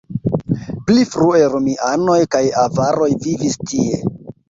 Pli frue romianoj kaj avaroj vivis tie.